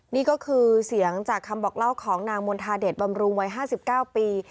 นี่ก็คือเสียงจากคำบอกเล่าของนางมณฑาเดชบำรุงวัย๕๙ปี